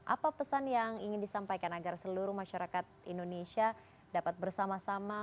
apa pesan yang ingin disampaikan agar seluruh masyarakat indonesia dapat bersama sama